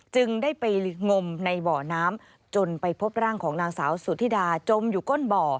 จึงได้ไปงมในบ่อน้ำจนไปพบร่างของนางสาวสุธิดาจมอยู่ก้นบ่อ